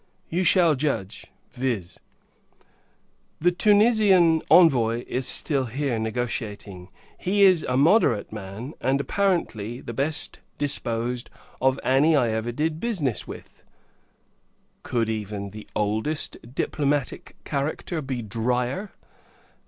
You shall judge viz. "The Tunisian Envoy is still here, negotiating. He is a moderate man; and, apparently, the best disposed of any I ever did business with." Could even the oldest diplomatic character be drier?